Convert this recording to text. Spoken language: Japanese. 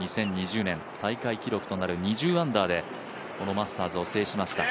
２０２０年大会記録となる２０アンダーで、このマスターズを制しました。